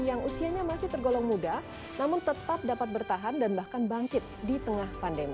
yang usianya masih tergolong muda namun tetap dapat bertahan dan bahkan bangkit di tengah pandemi